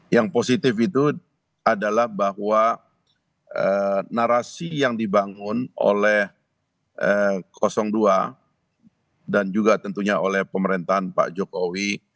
yang positif itu adalah bahwa narasi yang dibangun oleh dua dan juga tentunya oleh pemerintahan pak jokowi